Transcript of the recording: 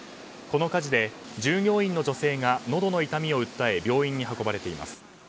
この火事で、従業員の女性がのどの痛みを訴え病院に運ばれています。